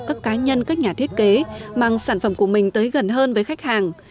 các cá nhân các nhà thiết kế mang sản phẩm của mình tới gần hơn với khách hàng